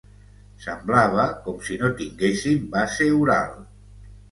Semblava com si no tinguéssim base oral.